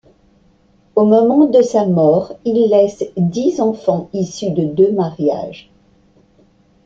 Au moment de sa mort, il laisse dix enfants issus de deux mariages.